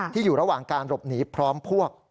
อยู่ระหว่างการหลบหนีพร้อมพวก